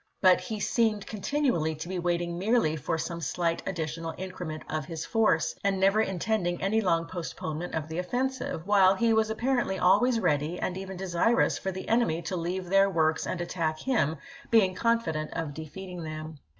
But he seemed continually to be waiting merely for some slight additional increment of his force, and never intend ing any long postponement of the offensive ; while he was apparently always ready, and even desirous, for the enemy to leave their works and attack him, being confident of defeating them.